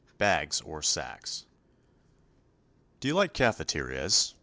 Bags or Sacks "Do you like cafeterias?"